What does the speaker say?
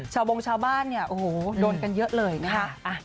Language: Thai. ชาวบองชาวบ้านโดนกันเยอะเลยนะครับ